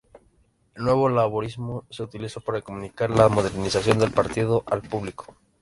El "Nuevo Laborismo" se utilizó para comunicar la modernización del partido al público.